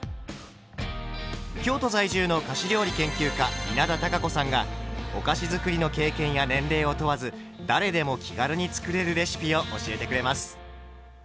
京都在住の菓子料理研究家稲田多佳子さんがお菓子づくりの経験や年齢を問わず誰でも気軽に作れるレシピを教えてくれます。